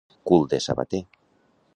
Cul de sabater.